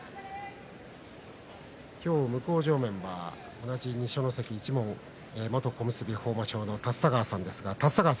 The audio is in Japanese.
今日、向正面は同じ二所ノ関一門の元小結豊真将の立田川さんです。